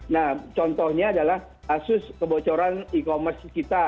nah contohnya adalah kasus kebocoran e commerce kita